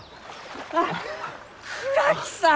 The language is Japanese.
あ倉木さん！